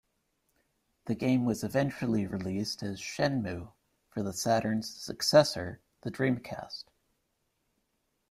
The game was eventually released as "Shenmue" for the Saturn's successor, the Dreamcast.